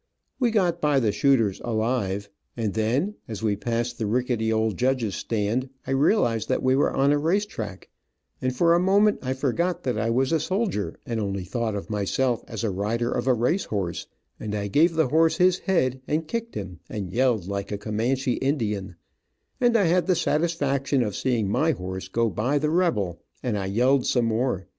We got by the shooters alive, and then, as we passed the rickety old judge's stand, I realized that we were on a race track, and for a moment I forgot that I was a soldier, and only thought of myself as a rider of a race horse, and I gave the horse his head, and kicked him, and yelled like a Comanche Indian, and I had the satisfaction of seeing my horse go by the rebel, and I yelled some more.